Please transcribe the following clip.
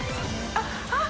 あっあっ！